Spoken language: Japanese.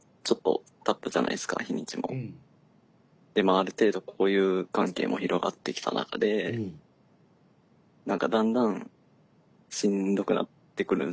ある程度交友関係も広がってきた中で何かだんだんしんどくなってくるんですよね。